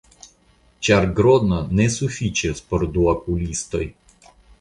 Ĉar Grodno ne sufiĉis por du okulistoj.